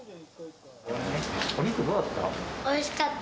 お肉どうだった？